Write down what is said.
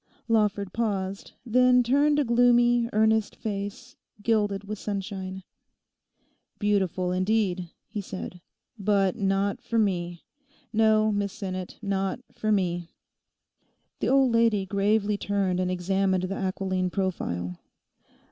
Lawford paused, then turned a gloomy, earnest face, gilded with sunshine. 'Beautiful, indeed,' he said, 'but not for me. No, Miss Sinnet, not for me.' The old lady gravely turned and examined the aquiline profile.